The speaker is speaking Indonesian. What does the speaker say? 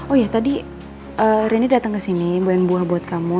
oh iya tadi reni datang ke sini buat buah buat kamu